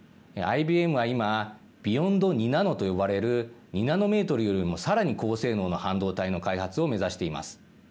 ＩＢＭは今ビヨンド２ナノと呼ばれる２ナノメートルよりもさらに高性能な半導体の開発を目指しています。